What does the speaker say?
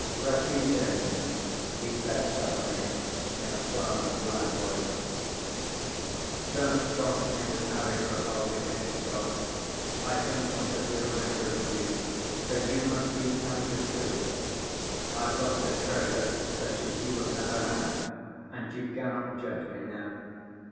"Rakitin," he said suddenly, in a firm and loud voice; "don't taunt me with having rebelled against God. I don't want to feel angry with you, so you must be kinder, too, I've lost a treasure such as you have never had, and you cannot judge me now.